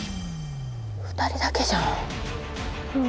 ２人だけじゃん。